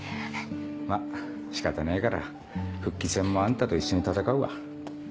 まっ仕方ねえから復帰戦もあんたと一緒に闘うわ。